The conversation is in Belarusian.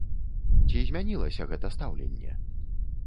Ці змянілася гэта стаўленне?